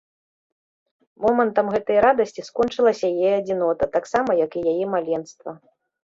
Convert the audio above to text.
Момантам гэтай радасці скончылася яе адзінота, таксама як і яе маленства.